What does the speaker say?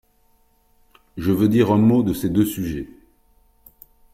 Je veux dire un mot de ces deux sujets.